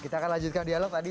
kita akan lanjutkan dialog tadi